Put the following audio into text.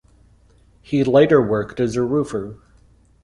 He later worked as a roofer.